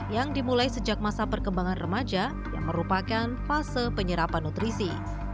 yang dimulai sejak masa perkembangan remaja yang merupakan fase penyerapan nutrisi